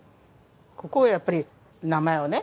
ここはやっぱり名前をね